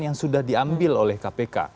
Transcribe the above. yang sudah diambil oleh kpk